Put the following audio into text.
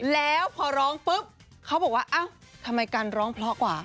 แล้วพอร้องปุ๊บเขาบอกว่าเอ้าทำไมการร้องเพราะกว่า